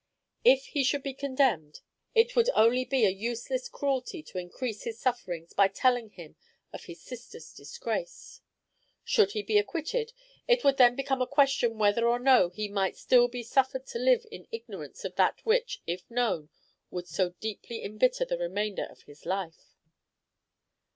If he should be condemned it would only be a useless cruelty to increase his sufferings by telling him of his sister's disgrace. Should he be acquitted, it would then become a question whether or no he might still be suffered to live in ignorance of that which, if known, would so deeply embitter the remainder of his life.